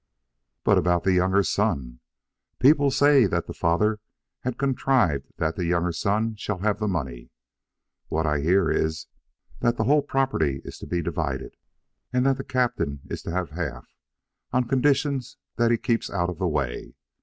"But about the younger son? People say that the father has contrived that the younger son shall have the money. What I hear is that the whole property is to be divided, and that the captain is to have half, on conditions that he keeps out of the way.